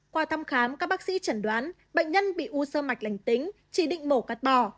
qua thăm khám các bác sĩ chẩn đoán bệnh nhân bị u sơ mạch lành tính chỉ định mổ cắt bò